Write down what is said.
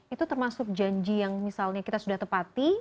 itu termasuk janji yang misalnya kita sudah tepati